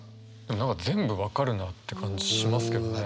何か全部分かるなって感じしますけどね。